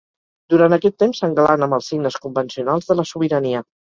Durant aquest temps, s"engalana amb els signes convencionals de la sobirania.